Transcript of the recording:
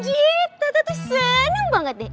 tata tuh seneng banget deh